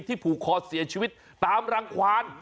ผูกคอเสียชีวิตตามรังความ